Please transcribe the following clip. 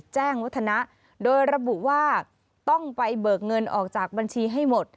แจ้งวัฒนะโดยระบุว่าต้องไปเบิกเงินออกจากบัญชีให้หมด